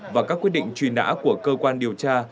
và các quyết định truy nã của cơ quan điều tra